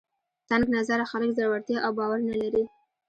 تنګ نظره خلک زړورتیا او باور نه لري